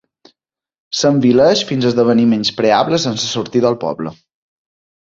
S'envileix fins esdevenir menyspreable sense sortir del poble.